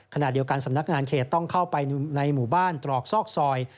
ขณะเดียวกันสำนักงานเขตต้องเข้าไปในหมู่บ้านตรอกซอกซอย